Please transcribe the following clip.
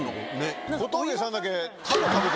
小峠さんだけ。